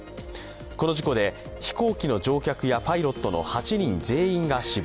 この事故で飛行機の乗客やパイロットの８人全員が死亡